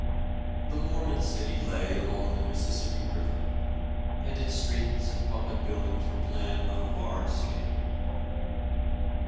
The Mormon city lay along the Mississippi River, and its streets and public buildings were planned on a large scale.